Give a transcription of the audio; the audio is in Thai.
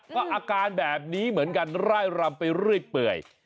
ก็อาการแบบนี้เหมือนกันร่ายรำไปเรื่อยเปื่อย